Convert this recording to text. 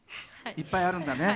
いっぱいあるんだね。